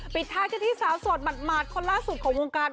ปิดท้ายกันที่สาวโสดหมาดคนล่าสุดของวงการ